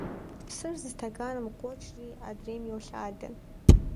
Псыр зы стэканым къокӀри адрейм йолъадэ.